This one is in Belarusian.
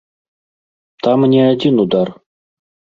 Там не адзін удар.